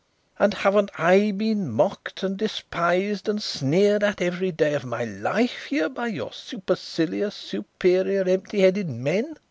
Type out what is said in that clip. "And haven't I been mocked and despised and sneered at every day of my life here by your supercilious, superior, empty headed men?"